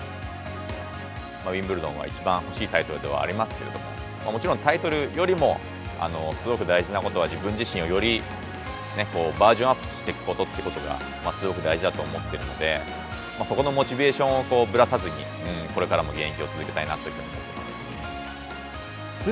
ウィンブルドンは、一番欲しいタイトルではありますけれども、もちろん、タイトルよりも、すごく大事なことは、自分自身をよりバージョンアップしていくっていうことが、すごく大事だと思っているので、そこのモチベーションをぶらさずに、これからも現役を続けたいなと思ってます。